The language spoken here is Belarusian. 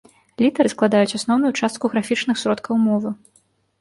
Літары складаюць асноўную частку графічных сродкаў мовы.